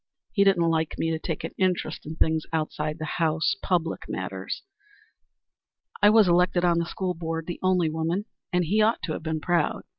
He didn't like me to take an interest in things outside the house public matters. I was elected on the school board the only woman and he ought to have been proud.